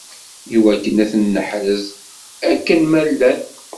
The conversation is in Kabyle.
Iwakken ad ten-neḥrez akken ma llan.